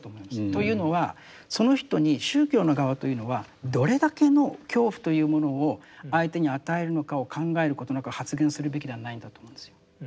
というのはその人に宗教の側というのはどれだけの恐怖というものを相手に与えるのかを考えることなく発言するべきではないんだと思うんですよ。